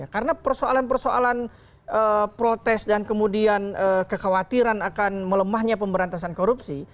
karena persoalan persoalan protes dan kemudian kekhawatiran akan melemahnya pemberantasan korupsi